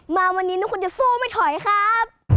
มาวันนี้ทุกคนอย่าสู้ไม่ถอยครับ